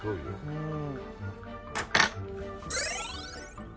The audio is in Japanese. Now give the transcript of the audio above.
うん。